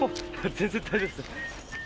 全然大丈夫っすよ。